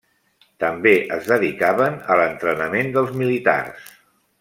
També es dedicaven a l'entrenament dels militars.